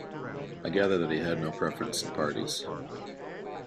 I gathered that he had no preference in parties.